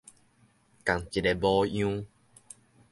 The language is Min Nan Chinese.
仝一个模樣